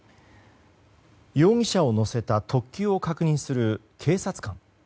容疑者を乗せた特急を確認する警察官。